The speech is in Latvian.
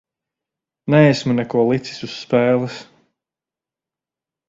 Neesmu neko licis uz spēles.